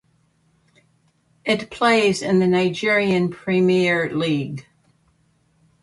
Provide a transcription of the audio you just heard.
It plays in the Nigerian Premier League.